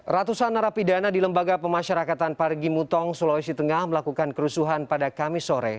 ratusan narapidana di lembaga pemasyarakatan parigi mutong sulawesi tengah melakukan kerusuhan pada kamis sore